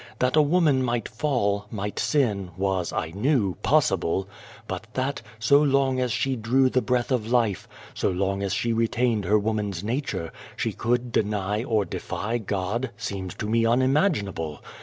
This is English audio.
That a woman might fall, might sin, was, I knew, possible ; but that, so long as she drew the breath of life, so long as she retained her woman's nature, she could deny or defy God, seemed to me unimaginable.